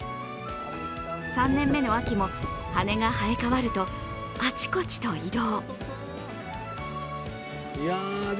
３年目の秋も、羽が生え替わると、あちこちと移動。